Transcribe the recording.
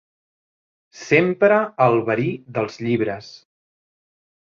Sempre el verí dels llibres.